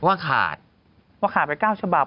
ว่าขาดไป๙ฉบับ